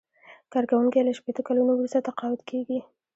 کارکوونکی له شپیته کلونو وروسته تقاعد کیږي.